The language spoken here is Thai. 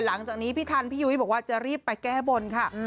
หลังจากนี้พี่ทันพี่ยุ้ยบอกว่าจะรีบไปแก้บนค่ะ